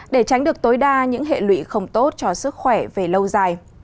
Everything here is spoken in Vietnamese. để tránh được tối đa những hệ lụy không tốt cho sức khỏe về lâu dài